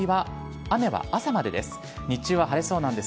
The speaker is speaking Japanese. あさって日曜日は雨は朝までです。